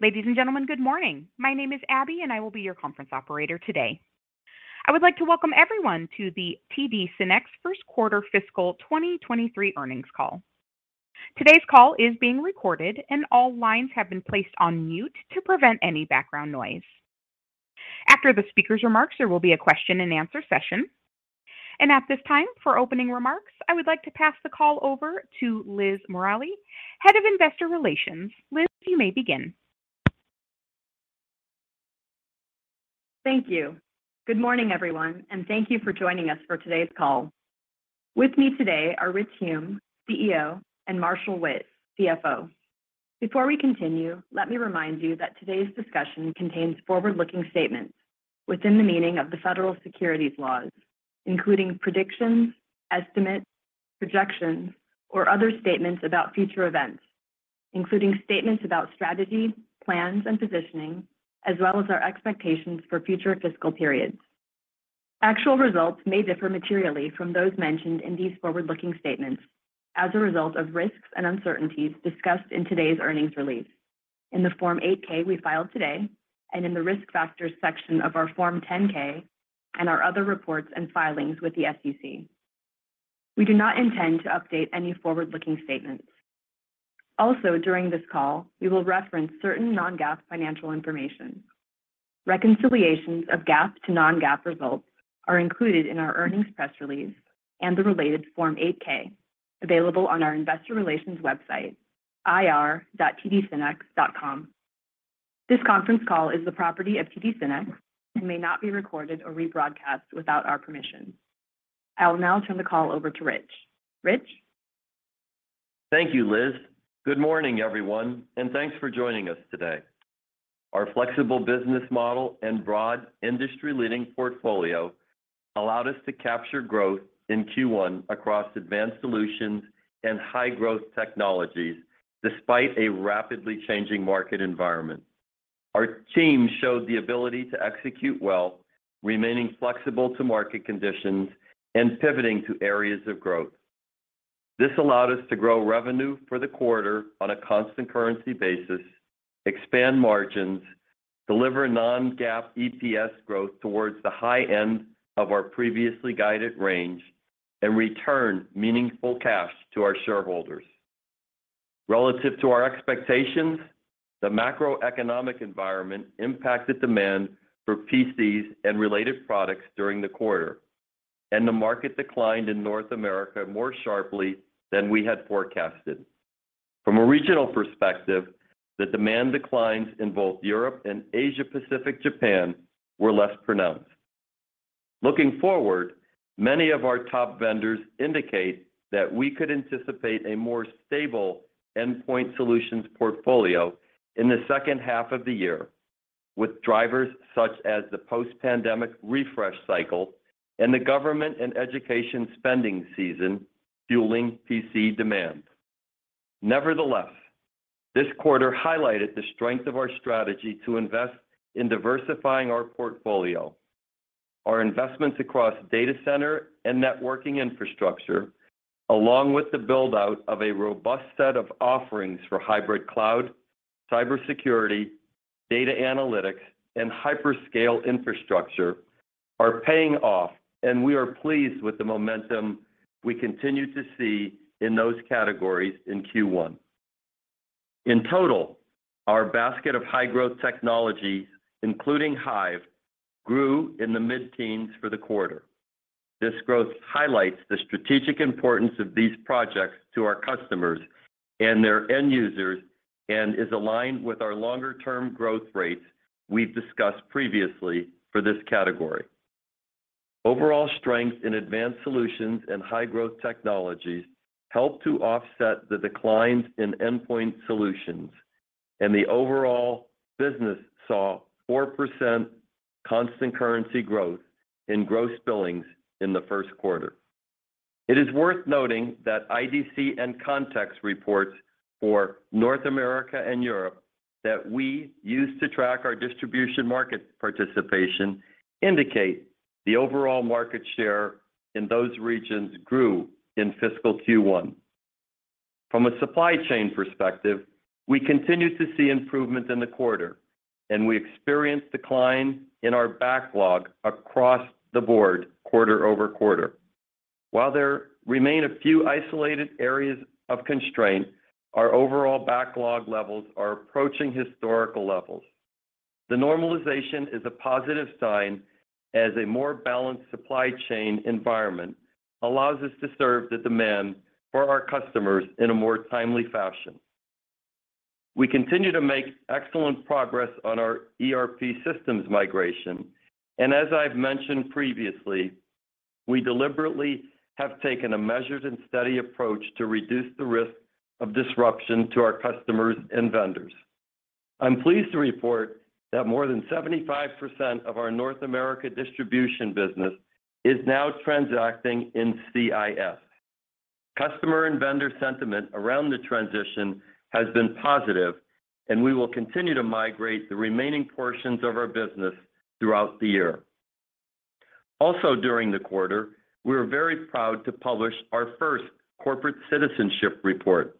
Ladies and gentlemen, good morning. My name is Abby. I will be your conference operator today. I would like to welcome everyone to the TD SYNNEX First Quarter Fiscal 2023 Earnings Call. Today's call is being recorded. All lines have been placed on mute to prevent any background noise. After the speaker's remarks, there will be a question-and-answer session. At this time, for opening remarks, I would like to pass the call over to Liz Morali, head of investor relations. Liz, you may begin. Thank you. Good morning, everyone, and thank you for joining us for today's call. With me today are Rich Hume, CEO, and Marshall Witt, CFO. Before we continue, let me remind you that today's discussion contains forward-looking statements within the meaning of the federal securities laws, including predictions, estimates, projections, or other statements about future events, including statements about strategy, plans, and positioning, as well as our expectations for future fiscal periods. Actual results may differ materially from those mentioned in these forward-looking statements as a result of risks and uncertainties discussed in today's earnings release. In the Form 8-K we filed today, and in the Risk Factors section of our Form 10-K, and our other reports and filings with the SEC. We do not intend to update any forward-looking statements. Also during this call, we will reference certain non-GAAP financial information. Reconciliations of GAAP to non-GAAP results are included in our earnings press release and the related Form 8-K available on our investor relations website, ir.tdsynnex.com. This conference call is the property of TD SYNNEX and may not be recorded or rebroadcast without our permission. I will now turn the call over to Rich. Rich? Thank you, Liz. Good morning, everyone, thanks for joining us today. Our flexible business model and broad industry-leading portfolio allowed us to capture growth in Q1 across Advanced Solutions and high-growth technologies despite a rapidly changing market environment. Our team showed the ability to execute well, remaining flexible to market conditions and pivoting to areas of growth. This allowed us to grow revenue for the quarter on a constant currency basis, expand margins, deliver non-GAAP EPS growth towards the high end of our previously guided range, and return meaningful cash to our shareholders. Relative to our expectations, the macroeconomic environment impacted demand for PCs and related products during the quarter, and the market declined in North America more sharply than we had forecasted. From a regional perspective, the demand declines in both Europe and Asia Pacific Japan were less pronounced. Looking forward, many of our top vendors indicate that we could anticipate a more stable Endpoint Solutions portfolio in the second half of the year, with drivers such as the post-pandemic refresh cycle and the government and education spending season fueling PC demand. Nevertheless, this quarter highlighted the strength of our strategy to invest in diversifying our portfolio. Our investments across data center and networking infrastructure, along with the build-out of a robust set of offerings for hybrid cloud, cybersecurity, data analytics, and hyperscale infrastructure are paying off, and we are pleased with the momentum we continue to see in those categories in Q1. In total, our basket of high-growth technologies, including Hyve, grew in the mid-teens for the quarter. This growth highlights the strategic importance of these projects to our customers and their end users and is aligned with our longer-term growth rates we've discussed previously for this category. Overall strength in Advanced Solutions and high-growth technologies helped to offset the declines in Endpoint Solutions. The overall business saw 4% constant currency growth in gross billings in the first quarter. It is worth noting that IDC and CONTEXT reports for North America and Europe that we use to track our distribution market participation indicate the overall market share in those regions grew in fiscal Q1. From a supply chain perspective, we continue to see improvement in the quarter. We experienced decline in our backlog across the board quarter-over-quarter. While there remain a few isolated areas of constraint, our overall backlog levels are approaching historical levels. The normalization is a positive sign as a more balanced supply chain environment allows us to serve the demand for our customers in a more timely fashion. We continue to make excellent progress on our ERP systems migration, and as I've mentioned previously, we deliberately have taken a measured and steady approach to reduce the risk of disruption to our customers and vendors. I'm pleased to report that more than 75% of our North America distribution business is now transacting in CIF. Customer and vendor sentiment around the transition has been positive, and we will continue to migrate the remaining portions of our business throughout the year. Also during the quarter, we were very proud to publish our first corporate citizenship report,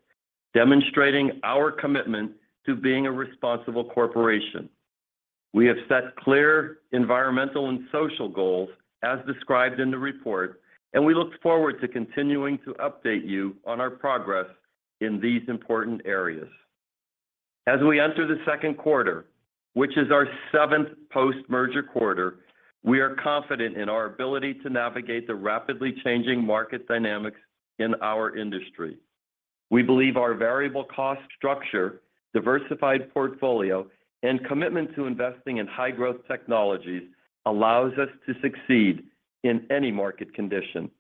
demonstrating our commitment to being a responsible corporation. We have set clear environmental and social goals as described in the report, and we look forward to continuing to update you on our progress in these important areas. As we enter the second quarter, which is our seventh post-merger quarter, we are confident in our ability to navigate the rapidly changing market dynamics in our industry. We believe our variable cost structure, diversified portfolio, and commitment to investing in high-growth technologies allows us to succeed in any market condition.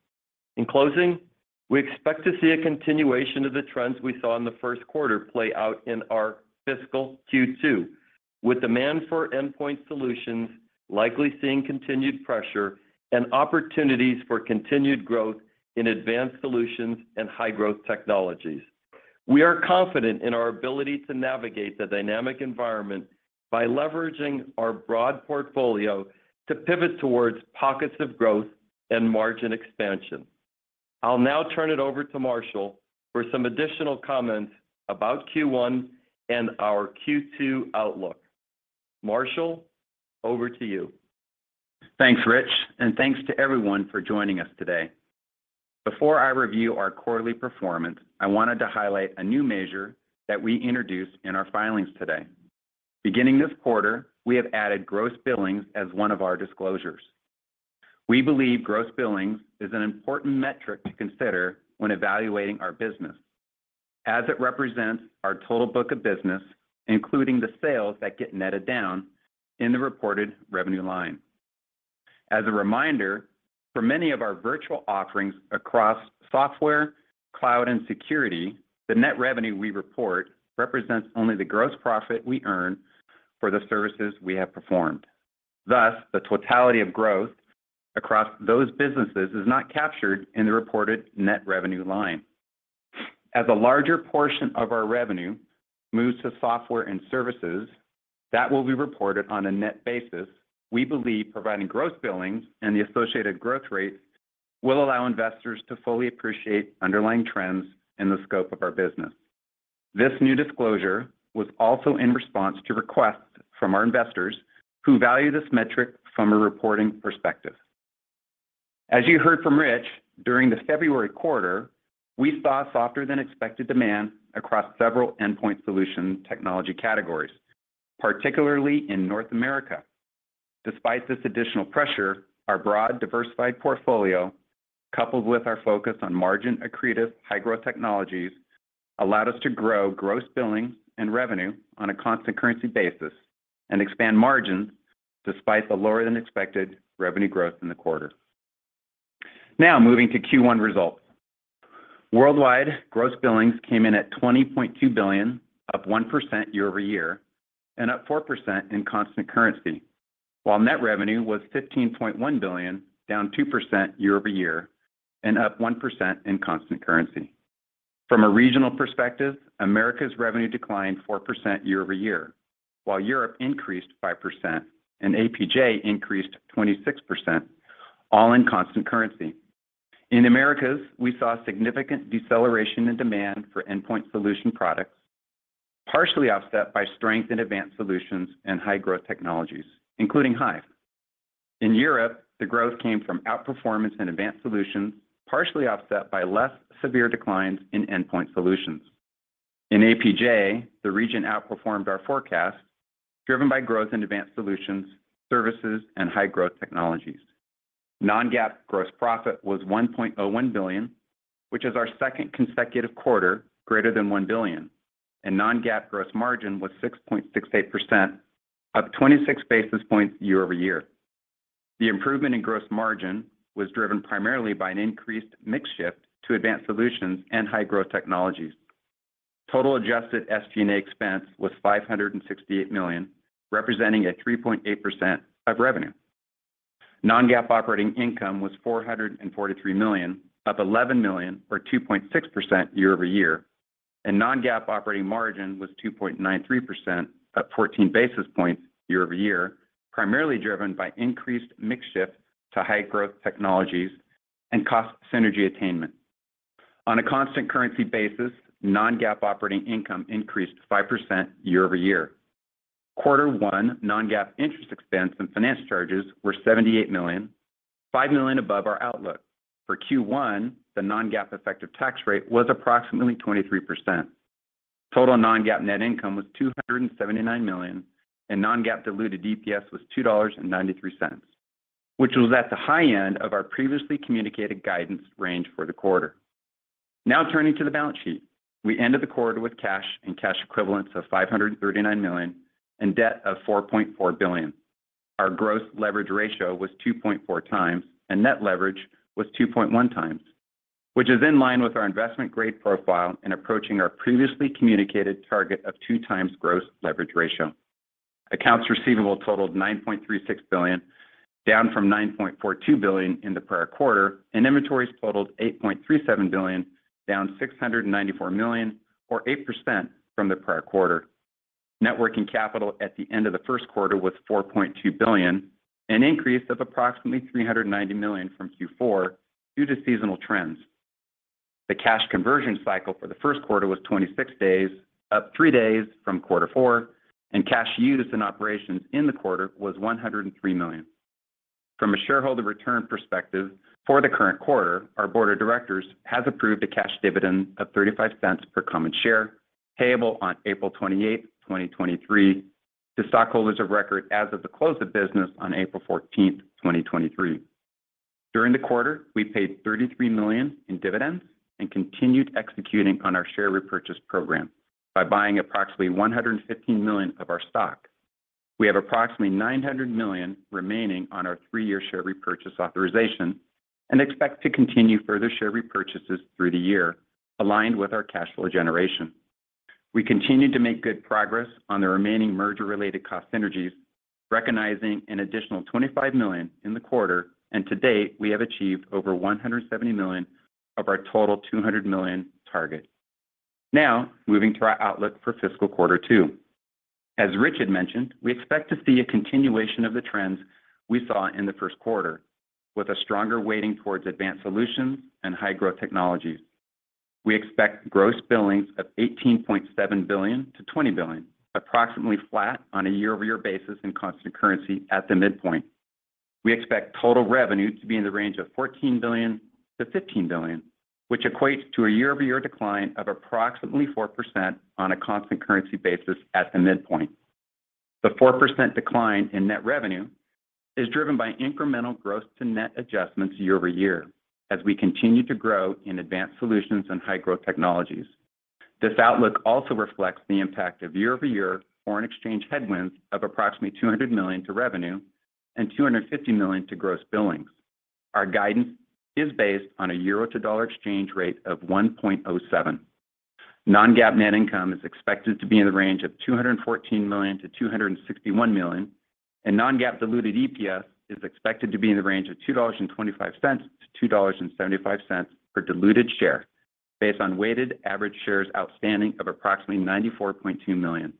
In closing, we expect to see a continuation of the trends we saw in the first quarter play out in our fiscal Q2, with demand for Endpoint Solutions likely seeing continued pressure and opportunities for continued growth in Advanced Solutions and high-growth technologies. We are confident in our ability to navigate the dynamic environment by leveraging our broad portfolio to pivot towards pockets of growth and margin expansion. I'll now turn it over to Marshall for some additional comments about Q1 and our Q2 outlook. Marshall, over to you. Thanks, Rich, and thanks to everyone for joining us today. Before I review our quarterly performance, I wanted to highlight a new measure that we introduced in our filings today. Beginning this quarter, we have added gross billings as one of our disclosures. We believe gross billings is an important metric to consider when evaluating our business, as it represents our total book of business, including the sales that get netted down in the reported revenue line. As a reminder, for many of our virtual offerings across software, cloud, and security, the net revenue we report represents only the gross profit we earn for the services we have performed. Thus, the totality of growth across those businesses is not captured in the reported net revenue line. As a larger portion of our revenue moves to software and services that will be reported on a net basis, we believe providing gross billings and the associated growth rates will allow investors to fully appreciate underlying trends in the scope of our business. This new disclosure was also in response to requests from our investors who value this metric from a reporting perspective. As you heard from Rich, during the February quarter, we saw softer than expected demand across several Endpoint Solutions technology categories, particularly in North America. Despite this additional pressure, our broad, diversified portfolio, coupled with our focus on margin-accretive high-growth technologies, allowed us to grow gross billings and revenue on a constant currency basis and expand margins despite the lower than expected revenue growth in the quarter. Moving to Q1 results. Worldwide Gross Billings came in at $20.2 billion, up 1% year-over-year, and up 4% in Constant Currency. While net revenue was $15.1 billion, down 2% year-over-year, and up 1% in Constant Currency. From a regional perspective, Americas revenue declined 4% year-over-year, while Europe increased 5% and APJ increased 26%, all in Constant Currency. In Americas, we saw significant deceleration in demand for Endpoint Solutions products, partially offset by strength in Advanced Solutions and high-growth technologies, including Hyve. In Europe, the growth came from outperformance in Advanced Solutions, partially offset by less severe declines in Endpoint Solutions. In APJ, the region outperformed our forecast, driven by growth in Advanced Solutions, services, and high-growth technologies. Non-GAAP gross profit was $1.01 billion, which is our second consecutive quarter greater than $1 billion, and non-GAAP gross margin was 6.68%, up 26 basis points year-over-year. The improvement in gross margin was driven primarily by an increased mix shift to Advanced Solutions and high-growth technologies. Total adjusted SG&A expense was $568 million, representing a 3.8% of revenue. Non-GAAP operating income was $443 million, up $11 million or 2.6% year-over-year, and non-GAAP operating margin was 2.93%, up 14 basis points year-over-year, primarily driven by increased mix shift to high-growth technologies and cost synergy attainment. On a constant currency basis, non-GAAP operating income increased 5% year-over-year. Quarter one non-GAAP interest expense and finance charges were $78 million, $5 million above our outlook. For Q1, the non-GAAP effective tax rate was approximately 23%. Total non-GAAP net income was $279 million, and non-GAAP diluted EPS was $2.93, which was at the high end of our previously communicated guidance range for the quarter. Turning to the balance sheet. We ended the quarter with cash and cash equivalents of $539 million and debt of $4.4 billion. Our gross leverage ratio was 2.4x, and net leverage was 2.1x, which is in line with our investment grade profile in approaching our previously communicated target of two times gross leverage ratio. Accounts receivable totaled $9.36 billion, down from $9.42 billion in the prior quarter. Inventories totaled $8.37 billion, down $694 million or 8% from the prior quarter. Net working capital at the end of the first quarter was $4.2 billion, an increase of approximately $390 million from Q4 due to seasonal trends. The cash conversion cycle for the first quarter was 26 days, up three days from quarter four. Cash used in operations in the quarter was $103 million. From a shareholder return perspective, for the current quarter, our board of directors has approved a cash dividend of $0.35 per common share, payable on April 28, 2023 to stockholders of record as of the close of business on April 14, 2023. During the quarter, we paid $33 million in dividends and continued executing on our share repurchase program by buying approximately $115 million of our stock. We have approximately $900 million remaining on our three year share repurchase authorization and expect to continue further share repurchases through the year aligned with our cash flow generation. We continue to make good progress on the remaining merger-related cost synergies, recognizing an additional $25 million in the quarter, and to date, we have achieved over $170 million of our total $200 million target. Moving to our outlook for fiscal quarter two. As Rich had mentioned, we expect to see a continuation of the trends we saw in the first quarter with a stronger weighting towards Advanced Solutions and high-growth technologies. We expect gross billings of $18.7 billion-$20 billion, approximately flat on a year-over-year basis in constant currency at the midpoint. We expect total revenue to be in the range of $14 billion-$15 billion, which equates to a year-over-year decline of approximately 4% on a constant currency basis at the midpoint. The 4% decline in net revenue is driven by incremental growth to net adjustments year-over-year as we continue to grow in Advanced Solutions and High-growth technologies. This outlook also reflects the impact of year-over-year foreign exchange headwinds of approximately $200 million to revenue and $250 million to gross billings. Our guidance is based on a euro to dollar exchange rate of 1.07. Non-GAAP net income is expected to be in the range of $214 million-$261 million, and non-GAAP diluted EPS is expected to be in the range of $2.25-$2.75 per diluted share based on weighted average shares outstanding of approximately 94.2 million.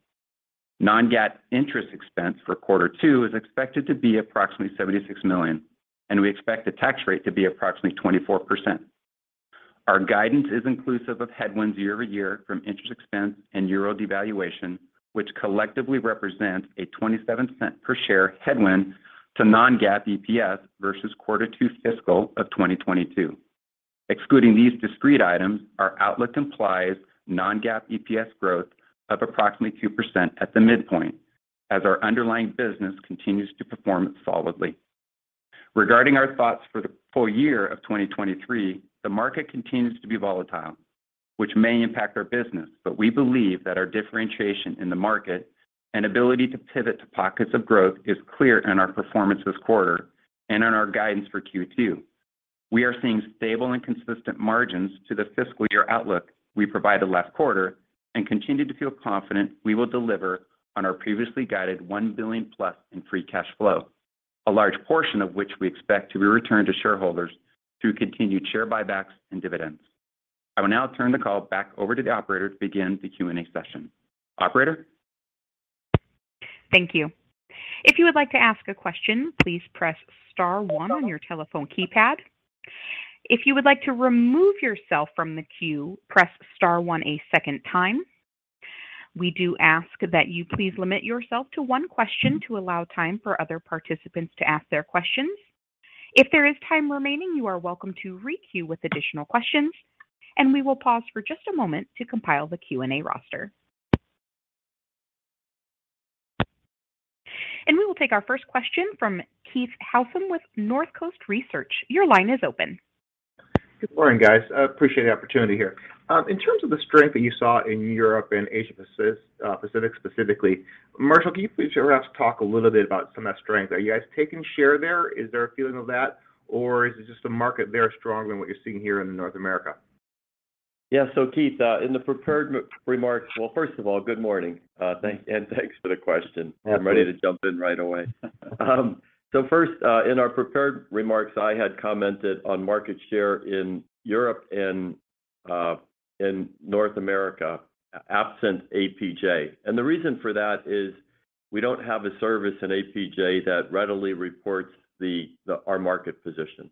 Non-GAAP interest expense for quarter two is expected to be approximately $76 million, and we expect the tax rate to be approximately 24%. Our guidance is inclusive of headwinds year-over-year from interest expense and euro devaluation, which collectively represent a $0.27 per share headwind to non-GAAP EPS versus quarter two fiscal of 2022. Excluding these discrete items, our outlook implies non-GAAP EPS growth of approximately 2% at the midpoint as our underlying business continues to perform solidly. Regarding our thoughts for the full year of 2023, the market continues to be volatile, which may impact our business. We believe that our differentiation in the market and ability to pivot to pockets of growth is clear in our performance this quarter and in our guidance for Q2. We are seeing stable and consistent margins to the fiscal year outlook we provided last quarter and continue to feel confident we will deliver on our previously guided $1 billion-plus in free cash flow, a large portion of which we expect to be returned to shareholders through continued share buybacks and dividends. I will now turn the call back over to the operator to begin the Q&A session. Operator? Thank you. If you would like to ask a question, please press star one on your telephone keypad. If you would like to remove yourself from the queue, press star one a second time. We do ask that you please limit yourself to one question to allow time for other participants to ask their questions. If there is time remaining, you are welcome to re-queue with additional questions, we will pause for just a moment to compile the Q&A roster. We will take our first question from Keith Housum with Northcoast Research. Your line is open. Good morning, guys. I appreciate the opportunity here. In terms of the strength that you saw in Europe and Asia Pacific specifically, Marshall, can you please perhaps talk a little bit about some of that strength? Are you guys taking share there? Is there a feeling of that, or is it just the market there stronger than what you're seeing here in North America? Yeah. Keith, Well, first of all, good morning. Thanks, and thanks for the question. Absolutely. I'm ready to jump in right away. First, in our prepared remarks, I had commented on market share in Europe and North America, absent APJ. The reason for that is we don't have a service in APJ that readily reports the market position.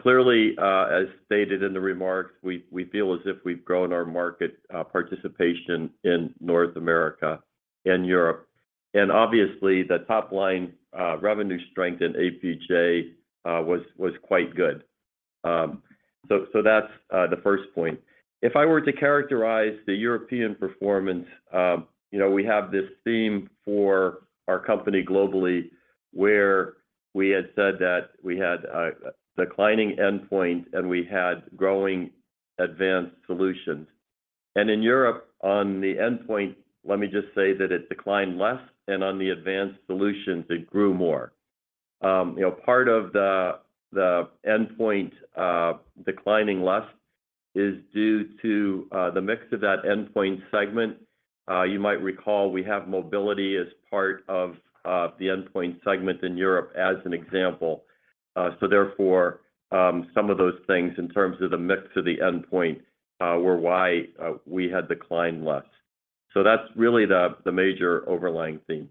Clearly, as stated in the remarks, we feel as if we've grown our market, participation in North America and Europe. Obviously, the top line, revenue strength in APJ, was quite good. That's the first point. If I were to characterize the European performance, you know, we have this theme for our company globally where we had said that we had a declining endpoint, and we had growing Advanced Solutions. In Europe, on the endpoint, let me just say that it declined less, and on the Advanced Solutions it grew more. You know, part of the endpoint, declining less is due to the mix of that endpoint segment. You might recall we have mobility as part of the endpoint segment in Europe as an example. Therefore, some of those things in terms of the mix to the endpoint, were why we had declined less. That's really the major overlying theme.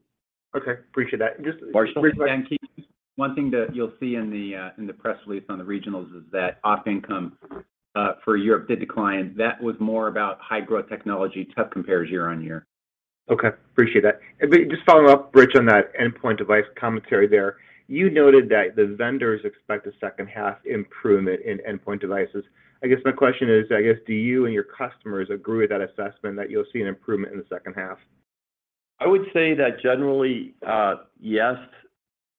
Okay. Appreciate that. Marshall. Real quick. Keith, one thing that you'll see in the in the press release on the regionals is that op income for Europe did decline. That was more about high-growth technology tough compares year-on-year. Okay. Appreciate that. Just following up, Rich, on that endpoint device commentary there, you noted that the vendors expect a second half improvement in endpoint devices. I guess my question is, do you and your customers agree with that assessment that you'll see an improvement in the second half? I would say that generally, yes.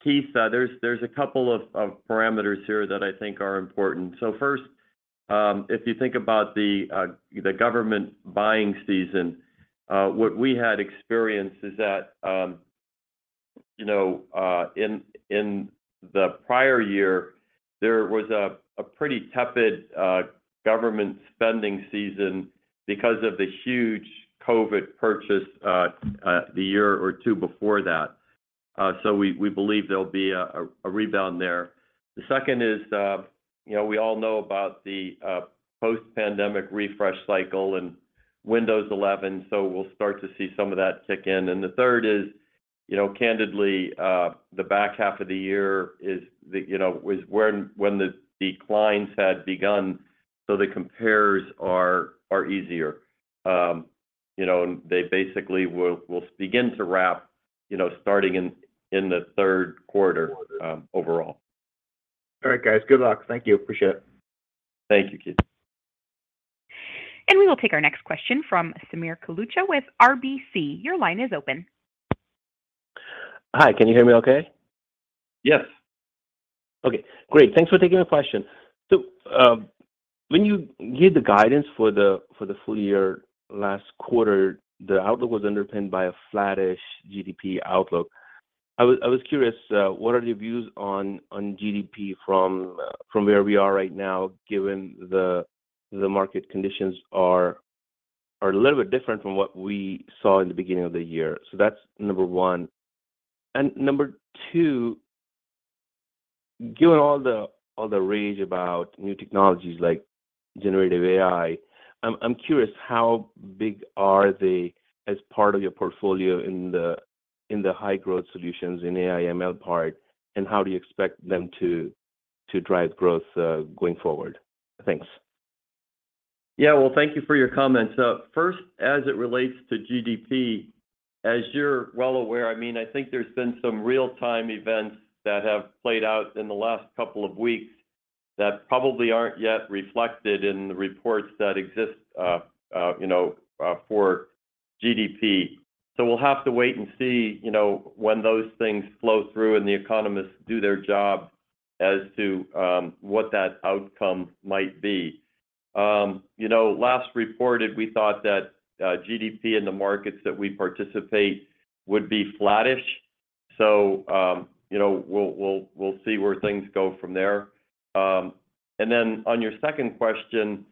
Keith, there's a couple of parameters here that I think are important. First, if you think about the government buying season, what we had experienced is that, you know, in the prior year there was a pretty tepid government spending season because of the huge COVID purchase the year or two before that. We believe there'll be a rebound there. The second is, you know, we all know about the post-pandemic refresh cycle and Windows 11, so we'll start to see some of that kick in. The third is, you know, candidly, the back half of the year is the, you know, was when the declines had begun, so the compares are easier. You know, they basically will begin to wrap, you know, starting in the third quarter. Quarter... overall. All right, guys. Good luck. Thank you. Appreciate it. Thank you, Keith. We will take our next question from Sameer Kalucha with RBC. Your line is open. Hi. Can you hear me okay? Yes. Okay, great. Thanks for taking the question. When you give the guidance for the full year last quarter, the outlook was underpinned by a flattish GDP outlook. I was curious what are your views on GDP from where we are right now, given the market conditions are a little bit different from what we saw in the beginning of the year? That's number one. Number two, given all the rage about new technologies like Generative AI, I'm curious how big are they as part of your portfolio in the high growth solutions in AI ML part, and how do you expect them to drive growth going forward? Thanks. Yeah. Well, thank you for your comments. First, as it relates to GDP, as you're well aware, I mean, I think there's been some real time events that have played out in the last couple of weeks that probably aren't yet reflected in the reports that exist, you know, for GDP. We'll have to wait and see, you know, when those things flow through and the economists do their job as to what that outcome might be. You know, last reported, we thought that GDP in the markets that we participate would be flattish, so, you know, we'll see where things go from there. On your second question,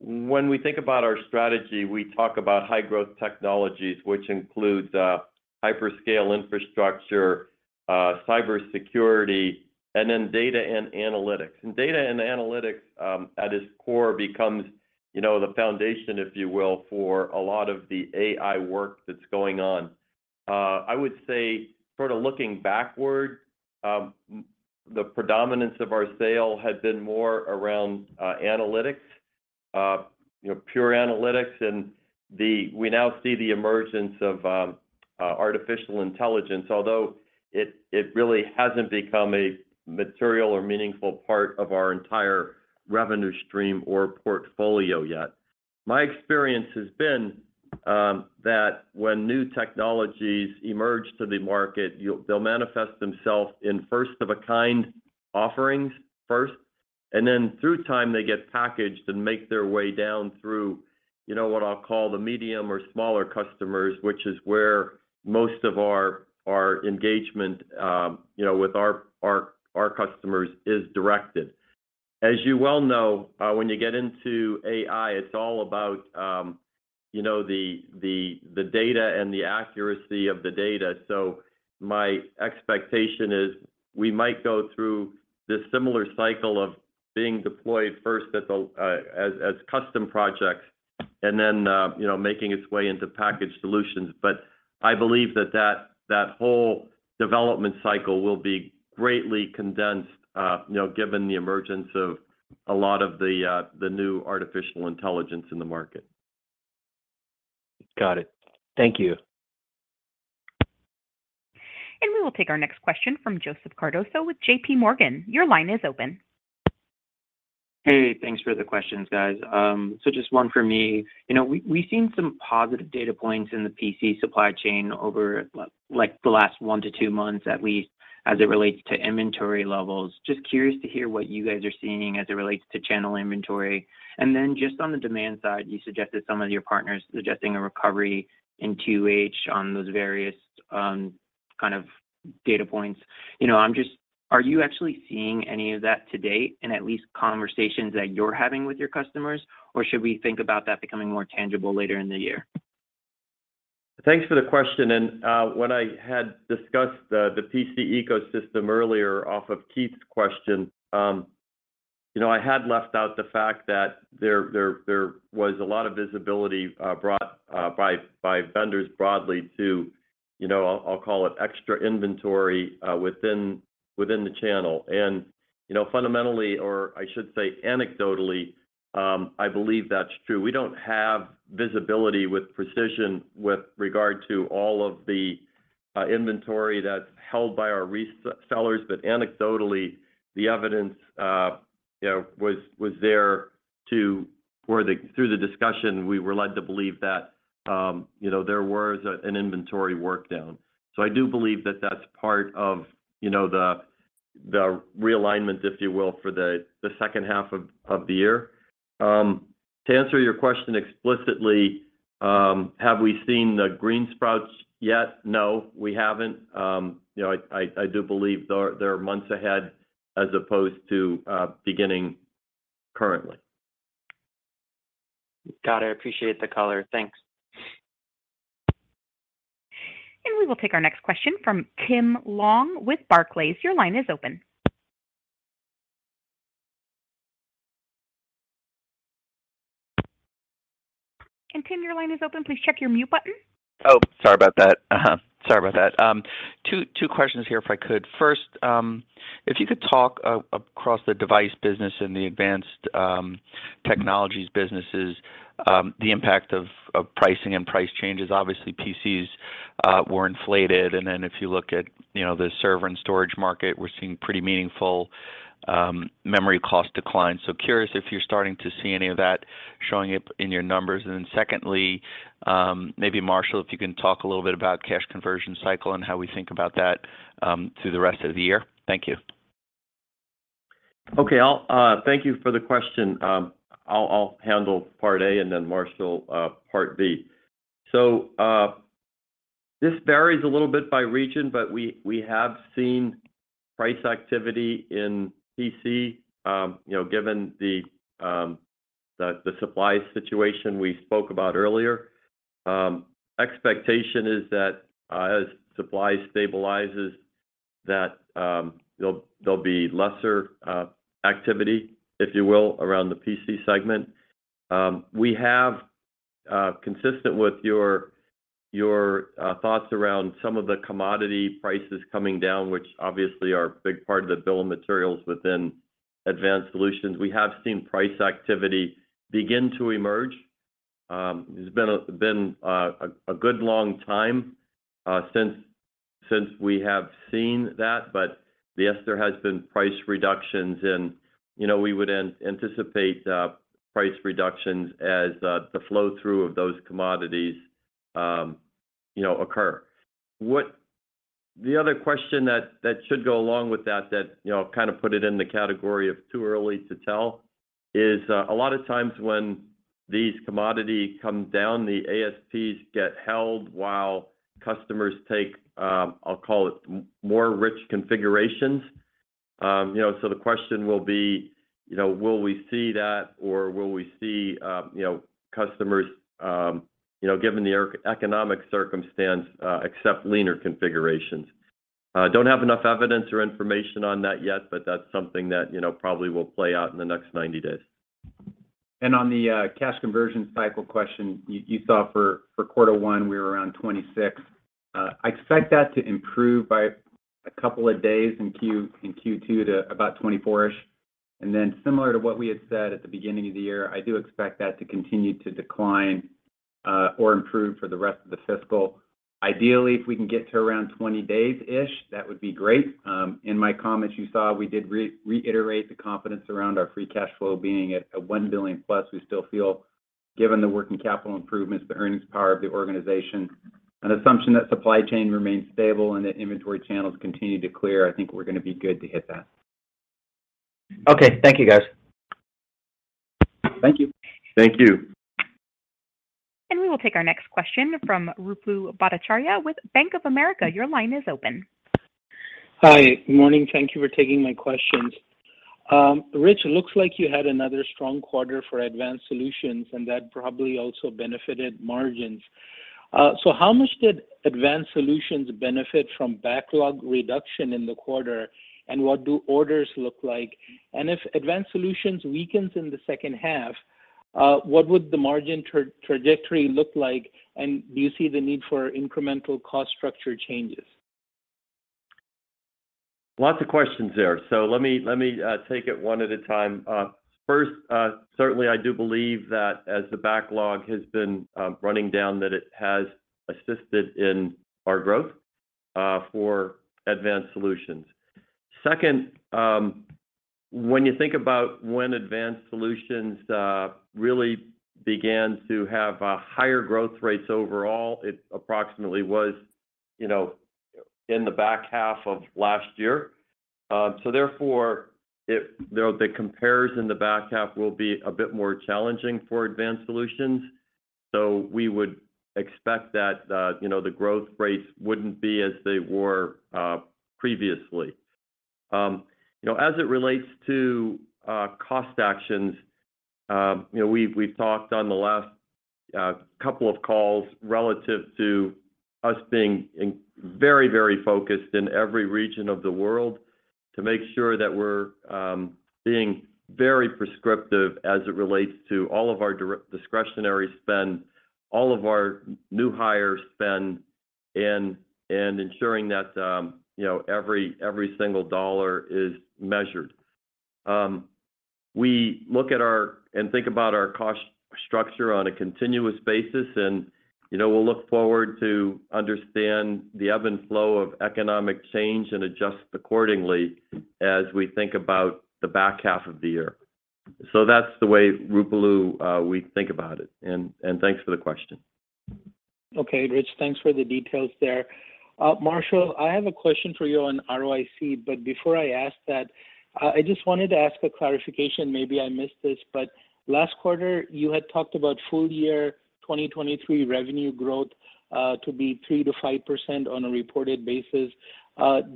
when we think about our strategy, we talk about high-growth technologies, which includes hyperscale infrastructure, cybersecurity, and then data and analytics. Data and analytics, at its core becomes, you know, the foundation, if you will, for a lot of the AI work that's going on. I would say sort of looking backward, the predominance of our sale has been more around analytics, you know, pure analytics. We now see the emergence of artificial intelligence, although it really hasn't become a material or meaningful part of our entire revenue stream or portfolio yet. My experience has been that when new technologies emerge to the market, they'll manifest themselves in first-of-a-kind offerings first, and then through time they get packaged and make their way down through, you know, what I'll call the medium or smaller customers, which is where most of our engagement, you know, with our, our customers is directed. As you well know, when you get into AI, it's all about, you know, the data and the accuracy of the data. My expectation is we might go through this similar cycle of being deployed first as custom projects and then, you know, making its way into packaged solutions. I believe that whole development cycle will be greatly condensed, you know, given the emergence of a lot of the new artificial intelligence in the market. Got it. Thank you. We will take our next question from Joseph Cardoso with JPMorgan. Your line is open. Hey, thanks for the questions, guys. Just one for me. You know, we've seen some positive data points in the PC supply chain over like the last one to two months at least as it relates to inventory levels. Just curious to hear what you guys are seeing as it relates to channel inventory. Just on the demand side, you suggested some of your partners suggesting a recovery in 2H on those various, kind of data points. You know, are you actually seeing any of that to date in at least conversations that you're having with your customers, or should we think about that becoming more tangible later in the year? Thanks for the question. When I had discussed the PC ecosystem earlier off of Keith's question, you know, I had left out the fact that there was a lot of visibility brought by vendors broadly to, you know, I'll call it extra inventory within the channel. You know, fundamentally, or I should say anecdotally, I believe that's true. We don't have visibility with precision with regard to all of the inventory that's held by our sellers. Anecdotally, the evidence, you know, was there through the discussion, we were led to believe that, you know, there was an inventory work down. I do believe that that's part of, you know, the realignment, if you will, for the second half of the year. To answer your question explicitly, have we seen the green sprouts yet? No, we haven't. You know, I do believe they're months ahead as opposed to beginning currently. Got it. I appreciate the color. Thanks. We will take our next question from Tim Long with Barclays. Your line is open. Tim, your line is open. Please check your mute button. Sorry about that. Sorry about that. Two questions here, if I could. First, if you could talk across the device business and the advanced technologies businesses, the impact of pricing and price changes. Obviously, PCs were inflated. If you look at, you know, the server and storage market, we're seeing pretty meaningful memory cost declines. Curious if you're starting to see any of that showing up in your numbers. Secondly, maybe Marshall, if you can talk a little bit about cash conversion cycle and how we think about that through the rest of the year. Thank you. Okay. I'll thank you for the question. I'll handle part A and then Marshall, part B. This varies a little bit by region, but we have seen price activity in PC, you know, given the supply situation we spoke about earlier. Expectation is that as supply stabilizes, that there'll be lesser activity, if you will, around the PC segment. We have, consistent with your thoughts around some of the commodity prices coming down, which obviously are a big part of the bill of materials within Advanced Solutions. We have seen price activity begin to emerge. It's been a good long time since we have seen that. Yes, there has been price reductions and, you know, we would anticipate price reductions as the flow through of those commodities, you know, occur. The other question that should go along with that, you know, kind of put it in the category of too early to tell is a lot of times when these commodity come down, the ASPs get held while customers take, I'll call it more rich configurations. You know, the question will be, you know, will we see that or will we see, you know, customers, you know, given the economic circumstance, accept leaner configurations? Don't have enough evidence or information on that yet, that's something that, you know, probably will play out in the next 90 days. On the cash conversion cycle question you saw for quarter one, we were around 26. I expect that to improve by two days in Q2 to about 24-ish. Similar to what we had said at the beginning of the year, I do expect that to continue to decline or improve for the rest of the fiscal. Ideally, if we can get to around 20 days-ish, that would be great. In my comments you saw, we did reiterate the confidence around our free cash flow being at $1 billion+. We still feel given the working capital improvements, the earnings power of the organization, an assumption that supply chain remains stable and that inventory channels continue to clear, I think we're gonna be good to hit that. Okay. Thank you, guys. Thank you. Thank you. We will take our next question from Ruplu Bhattacharya with Bank of America. Your line is open. Hi. Good morning. Thank you for taking my questions. Rich, it looks like you had another strong quarter for Advanced Solutions, and that probably also benefited margins. How much did Advanced Solutions benefit from backlog reduction in the quarter, and what do orders look like? If Advanced Solutions weakens in the second half, what would the margin trajectory look like? Do you see the need for incremental cost structure changes? Lots of questions there. Let me take it one at a time. First, certainly I do believe that as the backlog has been running down, that it has assisted in our growth for Advanced Solutions. Second, when you think about when Advanced Solutions really began to have higher growth rates overall, it approximately was, you know, in the back half of last year. Therefore, the compares in the back half will be a bit more challenging for Advanced Solutions. We would expect that, you know, the growth rates wouldn't be as they were previously. You know, as it relates to cost actions, you know, we've talked on the last couple of calls relative to us being very focused in every region of the world to make sure that we're being very prescriptive as it relates to all of our discretionary spend, all of our new hire spend, and ensuring that, you know, every single dollar is measured. We look at and think about our cost structure on a continuous basis and, you know, we'll look forward to understand the ebb and flow of economic change and adjust accordingly as we think about the back half of the year. That's the way, Ruplu, we think about it. Thanks for the question. Okay, Rich. Thanks for the details there. Marshall, I have a question for you on ROIC, but before I ask that, I just wanted to ask a clarification. Maybe I missed this, but last quarter, you had talked about full year 2023 revenue growth to be 3%-5% on a reported basis.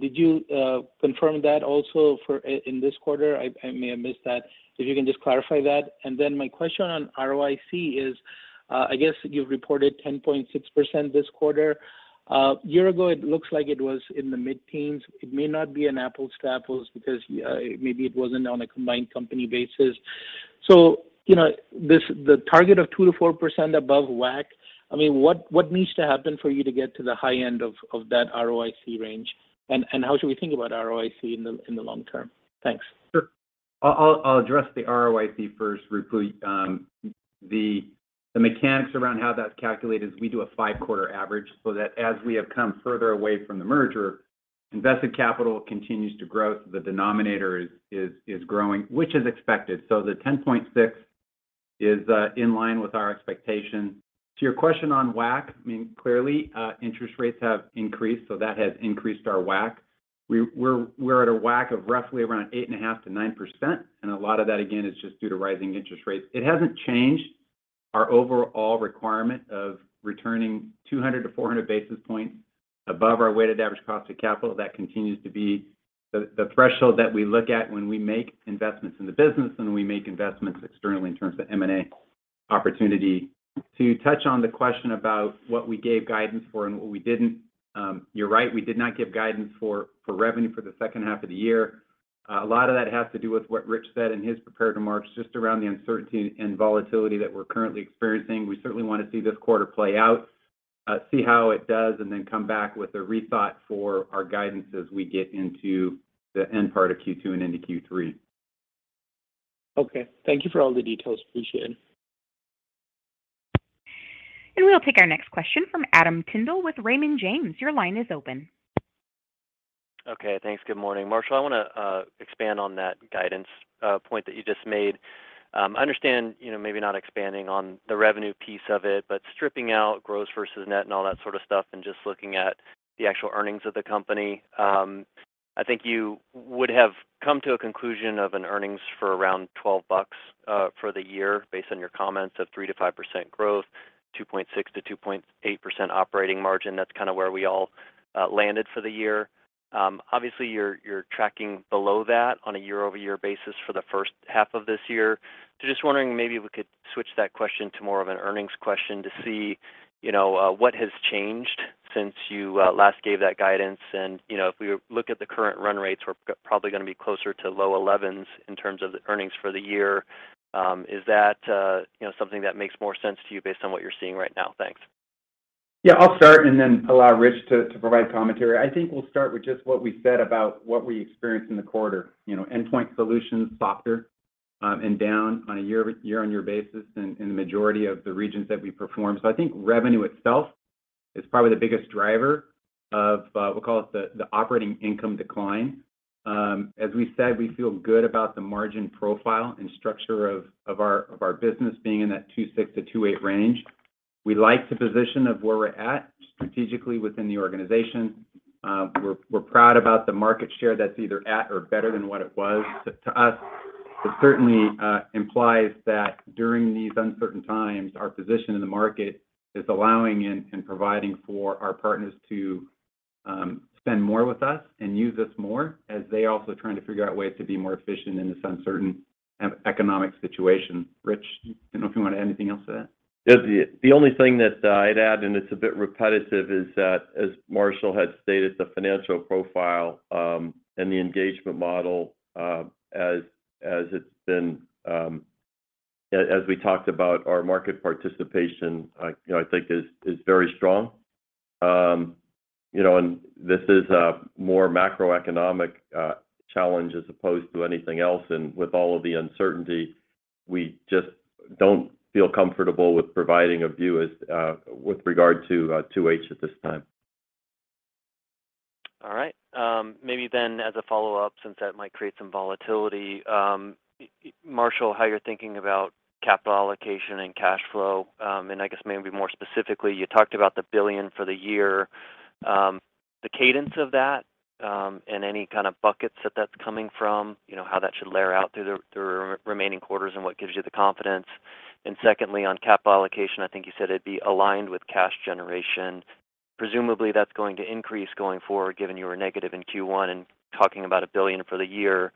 Did you confirm that also for in this quarter? I may have missed that, if you can just clarify that. My question on ROIC is, I guess you've reported 10.6% this quarter. A year ago, it looks like it was in the mid-teens. It may not be an apples to apples because maybe it wasn't on a combined company basis. You know, the target of 2%-4% above WACC, I mean, what needs to happen for you to get to the high end of that ROIC range? How should we think about ROIC in the long term? Thanks. Sure. I'll address the ROIC first, Ruplu. The mechanics around how that's calculated is we do a five quarter average so that as we have come further away from the merger, invested capital continues to grow, so the denominator is growing, which is expected. The 10.6 is in line with our expectations. To your question on WACC, I mean, clearly, interest rates have increased, so that has increased our WACC. We're at a WACC of roughly around 8.5%-9%, A lot of that again is just due to rising interest rates. It hasn't changed our overall requirement of returning 200-400 basis points above our weighted average cost of capital. That continues to be the threshold that we look at when we make investments in the business and we make investments externally in terms of M&A opportunity. To touch on the question about what we gave guidance for and what we didn't, you're right, we did not give guidance for revenue for the second half of the year. A lot of that has to do with what Rich said in his prepared remarks, just around the uncertainty and volatility that we're currently experiencing. We certainly want to see this quarter play out, see how it does, and then come back with a rethought for our guidance as we get into the end part of Q2 and into Q3. Okay. Thank you for all the details. Appreciate it. We'll take our next question from Adam Tindle with Raymond James. Your line is open. Okay. Thanks. Good morning. Marshall, I wanna expand on that guidance point that you just made. I understand, you know, maybe not expanding on the revenue piece of it, but stripping out gross versus net and all that sort of stuff and just looking at the actual earnings of the company, I think you would have come to a conclusion of an earnings for around $12 for the year based on your comments of 3%-5% growth, 2.6%-2.8% operating margin. That's kinda where we all landed for the year. Obviously you're tracking below that on a year-over-year basis for the first half of this year. Just wondering maybe we could switch that question to more of an earnings question to see, you know, what has changed since you last gave that guidance. You know, if we look at the current run rates, we're probably gonna be closer to low 11s in terms of the earnings for the year. Is that, you know something that makes more sense to you based on what you're seeing right now? Thanks. Yeah. I'll start and then allow Rich to provide commentary. I think we'll start with just what we said about what we experienced in the quarter. You know, Endpoint Solutions softer, and down on a year-on-year basis in the majority of the regions that we perform. I think revenue itself is probably the biggest driver of, we'll call it the operating income decline. As we said, we feel good about the margin profile and structure of our business being in that 2.6%-2.8% range. We like the position of where we're at strategically within the organization. We're proud about the market share that's either at or better than what it was. To us, it certainly implies that during these uncertain times, our position in the market is allowing and providing for our partners to spend more with us and use us more as they're also trying to figure out ways to be more efficient in this uncertain economic situation. Rich, I don't know if you want to add anything else to that. The only thing that I'd add, and it's a bit repetitive, is that as Marshall had stated, the financial profile, and the engagement model, as it's been, as we talked about our market participation, I, you know, I think is very strong. You know, this is a more macroeconomic challenge as opposed to anything else, and with all of the uncertainty, we just don't feel comfortable with providing a view as with regard to 2H at this time. All right. maybe then as a follow-up, since that might create some volatility, Marshall, how you're thinking about capital allocation and cash flow, and I guess maybe more specifically, you talked about the $1 billion for the year, the cadence of that, and any kind of buckets that that's coming from, you know, how that should layer out through the remaining quarters and what gives you the confidence. Secondly, on capital allocation, I think you said it'd be aligned with cash generation. Presumably that's going to increase going forward, given you were negative in Q1 and talking about a $1 billion for the year.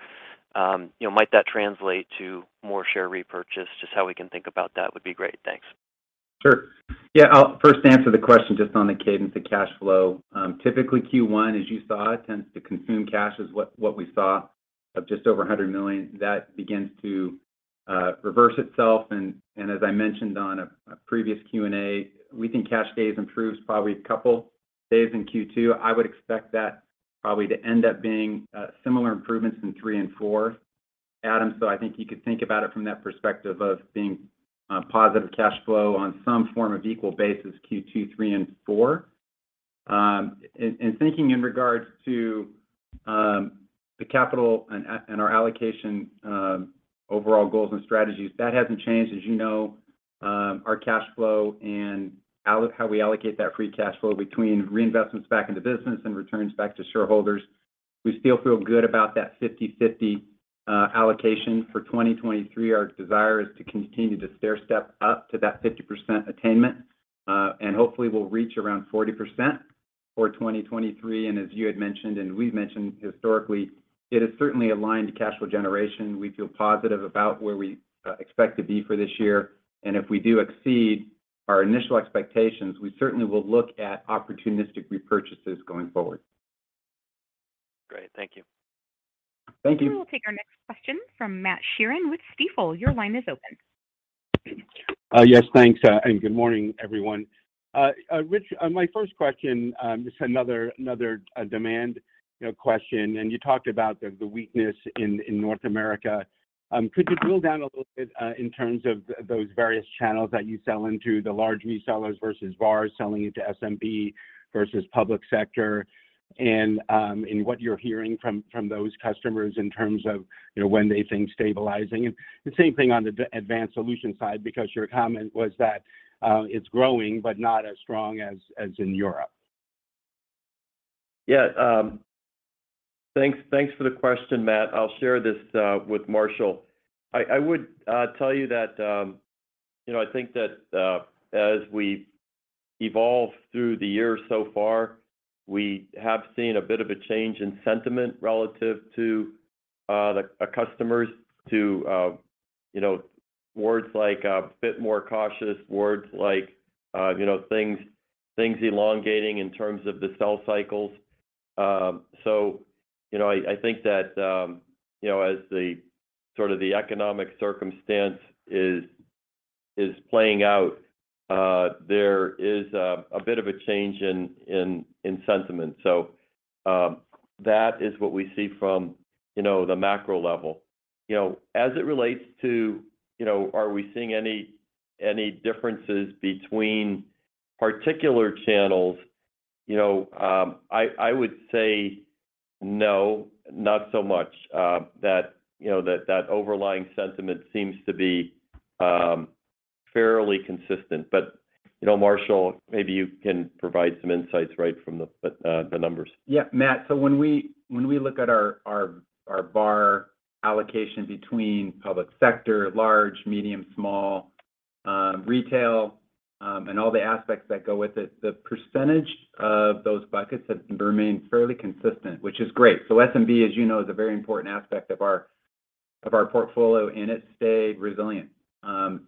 you know, might that translate to more share repurchase? Just how we can think about that would be great. Thanks. Sure. Yeah, I'll first answer the question just on the cadence of cash flow. Typically Q1, as you saw, tends to consume cash, is what we saw of just over $100 million. That begins to reverse itself, and as I mentioned on a previous Q&A, we think cash day improves probably two days in Q2. I would expect that probably to end up being similar improvements in three and four, Adam. I think you could think about it from that perspective of being positive cash flow on some form of equal basis, Q2, three and four. Thinking in regards to the capital and our allocation, overall goals and strategies, that hasn't changed. As you know, our cash flow and how we allocate that free cash flow between reinvestments back into business and returns back to shareholders, we still feel good about that 50/50 allocation. For 2023, our desire is to continue to stair step up to that 50% attainment, and hopefully we'll reach around 40% for 2023. As you had mentioned, and we've mentioned historically, it is certainly aligned to cash flow generation. We feel positive about where we expect to be for this year. If we do exceed our initial expectations, we certainly will look at opportunistic repurchases going forward. Great. Thank you. Thank you. We will take our next question from Matt Sheerin with Stifel. Your line is open. Yes, thanks, good morning, everyone. Rich, my first question, just another demand, you know, question. You talked about the weakness in North America. Could you drill down a little bit in terms of those various channels that you sell into, the large resellers versus VARs selling into SMB versus public sector and what you're hearing from those customers in terms of, you know, when they think stabilizing? The same thing on the Advanced Solutions side, because your comment was that it's growing, but not as strong as in Europe. Yeah. Thanks, thanks for the question, Matt. I'll share this with Marshall. I would tell you that, you know, I think that as we evolve through the year so far, we have seen a bit of a change in sentiment relative to our customers to, you know, words like a bit more cautious, words like, you know, things elongating in terms of the sell cycles. You know, I think that, you know, as the sort of the economic circumstance is playing out, there is a bit of a change in sentiment. That is what we see from, you know, the macro level. You know, as it relates to, you know, are we seeing any differences between particular channels, you know, I would say no, not so much. That, you know, that overlying sentiment seems to be fairly consistent. You know, Marshall, maybe you can provide some insights right from the numbers. Matt, when we look at our VAR allocation between public sector, large, medium, small, retail, and all the aspects that go with it, the percentage of those buckets have remained fairly consistent, which is great. SMB, as you know, is a very important aspect of our portfolio, and it stayed resilient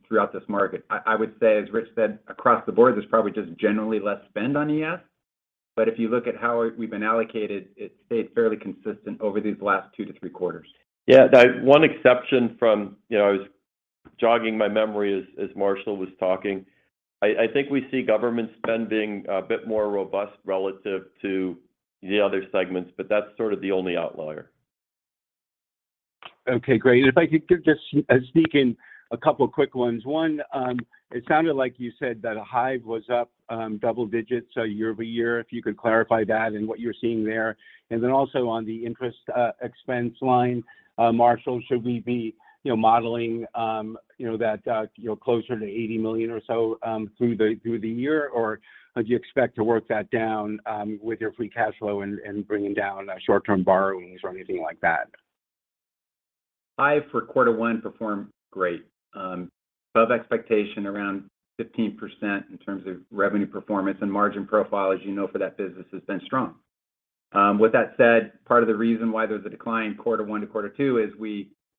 throughout this market. I would say, as Rich said, across the board, there's probably just generally less spend on ES, but if you look at how we've been allocated, it stayed fairly consistent over these last two to three quarters. Yeah. The one exception from, you know, I was jogging my memory as Marshall was talking. I think we see government spend being a bit more robust relative to the other segments, that's sort of the only outlier. Okay. Great. If I could just sneak in a couple quick ones. One, it sounded like you said that Hyve was up double digits, so year-over-year, if you could clarify that and what you're seeing there. Then also on the interest expense line, Marshall, should we be, you know, modeling, you know, that, you know, closer to $80 million or so through the year? Or do you expect to work that down with your free cash flow and bringing down short-term borrowings or anything like that? Hyve for quarter one performed great, above expectation, around 15% in terms of revenue performance and margin profile, as you know, for that business has been strong. With that said, part of the reason why there's a decline quarter one to quarter two is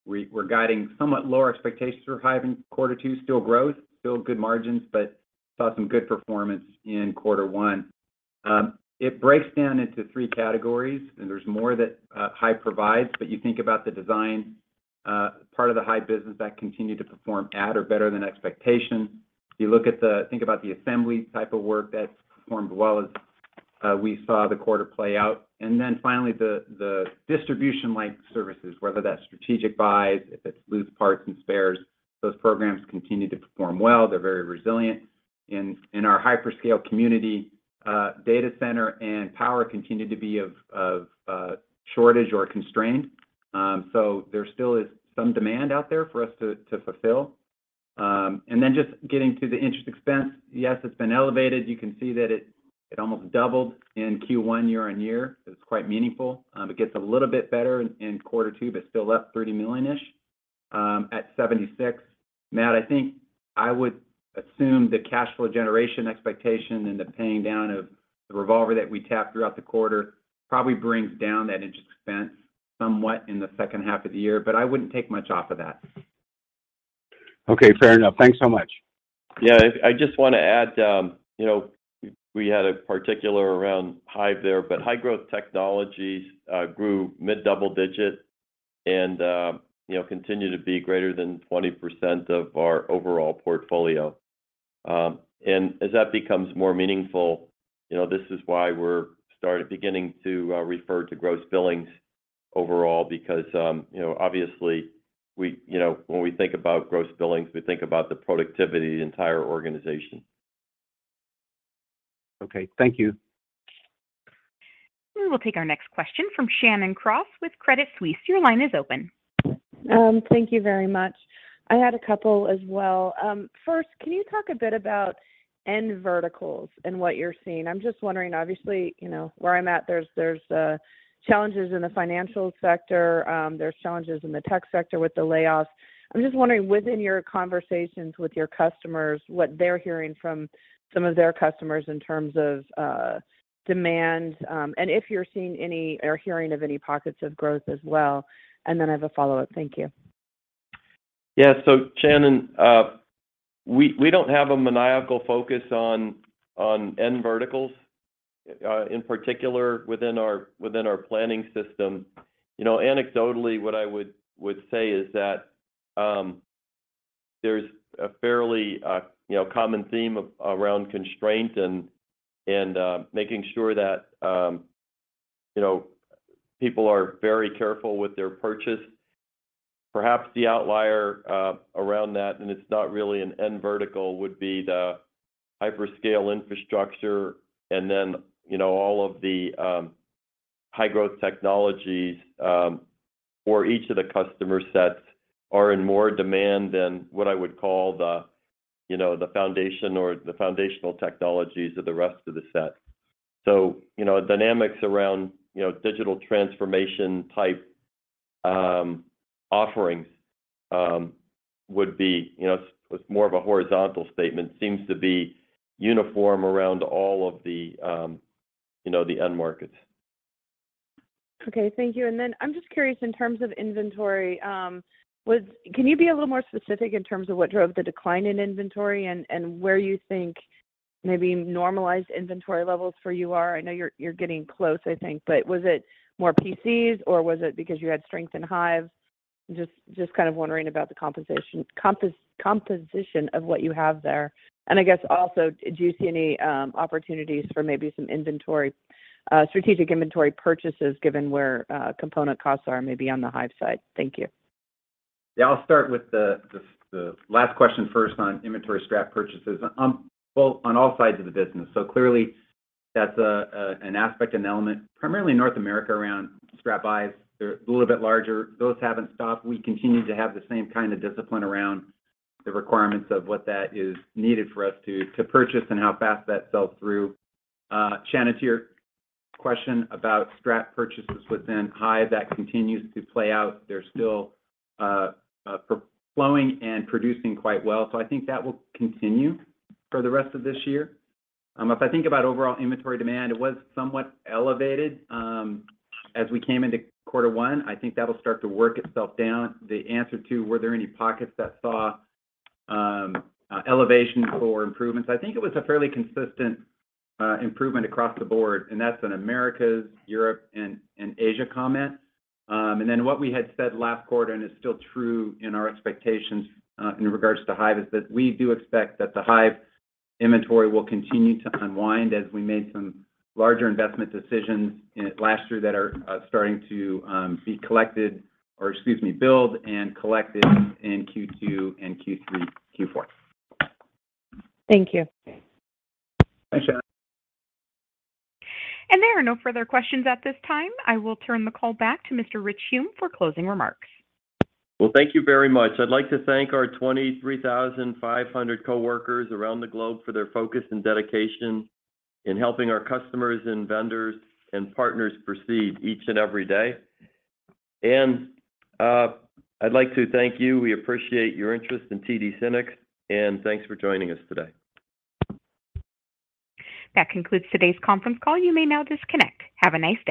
we're guiding somewhat lower expectations for Hyve in quarter two. Still growth, still good margins, but saw some good performance in quarter one. It breaks down into three categories, and there's more that, Hyve provides. You think about the design, part of the Hyve business that continued to perform at or better than expectations. You look at the assembly type of work that's performed well as, we saw the quarter play out. Finally, the distribution-like services, whether that's strategic buys, if it's loose parts and spares, those programs continue to perform well. They're very resilient. In our hyperscale community, data center and power continued to be of shortage or constrained. There still is some demand out there for us to fulfill. Just getting to the interest expense, yes, it's been elevated. You can see that it almost doubled in Q1 year-on-year. It's quite meaningful. It gets a little bit better in quarter two, still up $30 million-ish. At $76. Matt, I think I would assume the cash flow generation expectation and the paying down of the revolver that we tapped throughout the quarter probably brings down that interest expense somewhat in the second half of the year, but I wouldn't take much off of that. Okay, fair enough. Thanks so much. Yeah. I just wanna add, you know, we had a particular around Hyve there, but high-growth technologies grew mid double digit and, you know, continue to be greater than 20% of our overall portfolio. As that becomes more meaningful, you know, this is why we're beginning to refer to gross billings overall because, you know, obviously we. You know, when we think about gross billings, we think about the productivity of the entire organization. Okay. Thank you. We will take our next question from Shannon Cross with Credit Suisse. Your line is open. Thank you very much. I had a couple as well. First, can you talk a bit about end verticals and what you're seeing? I'm just wondering, obviously, you know, where I'm at, there's challenges in the financial sector, there's challenges in the tech sector with the layoffs. I'm just wondering, within your conversations with your customers, what they're hearing from some of their customers in terms of demand, and if you're seeing any or hearing of any pockets of growth as well. Then I have a follow-up. Thank you. Yeah. Shannon, we don't have a maniacal focus on end verticals, in particular within our, within our planning system. You know, anecdotally, what I would say is that, there's a fairly, you know, common theme around constraint and making sure that, you know, people are very careful with their purchase. Perhaps the outlier, around that, and it's not really an end vertical, would be the hyperscale infrastructure and then, you know, all of the, high-growth technologies, for each of the customer sets are in more demand than what I would call the, you know, the foundation or the foundational technologies of the rest of the set. You know, dynamics around, you know, digital transformation type offerings, would be, you know, it's more of a horizontal statement, seems to be uniform around all of the, you know, the end markets. Okay, thank you. I'm just curious in terms of inventory, can you be a little more specific in terms of what drove the decline in inventory and where you think maybe normalized inventory levels for you are? I know you're getting close, I think. Was it more PCs, or was it because you had strength in Hyve? Just kind of wondering about the composition of what you have there. I guess also, do you see any opportunities for maybe some inventory, strategic inventory purchases given where component costs are maybe on the Hyve side? Thank you. Yeah. I'll start with the last question first on inventory scrap purchases. Well, on all sides of the business. Clearly that's an aspect, an element, primarily North America around strategic buys. They're a little bit larger. Those haven't stopped. We continue to have the same kind of discipline around the requirements of what that is needed for us to purchase and how fast that sells through. Shannon, to your question about scrap purchases within Hyve, that continues to play out. They're still flowing and producing quite well. I think that will continue for the rest of this year. If I think about overall inventory demand, it was somewhat elevated as we came into quarter one. I think that'll start to work itself down. The answer to were there any pockets that saw elevation or improvements, I think it was a fairly consistent improvement across the board, and that's an Americas, Europe, and Asia comment. What we had said last quarter, and it's still true in our expectations, in regards to Hyve, is that we do expect that the Hyve inventory will continue to unwind as we made some larger investment decisions in it last year that are starting to be collected or excuse me, build and collected in Q2 and Q3, Q4. Thank you. Okay. Thanks, Shannon. There are no further questions at this time. I will turn the call back to Mr. Rich Hume for closing remarks. Well, thank you very much. I'd like to thank our 23,500 coworkers around the globe for their focus and dedication in helping our customers and vendors and partners proceed each and every day. I'd like to thank you. We appreciate your interest in TD SYNNEX, and thanks for joining us today. That concludes today's conference call. You may now disconnect. Have a nice day.